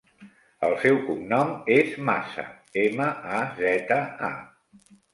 El seu cognom és Maza: ema, a, zeta, a.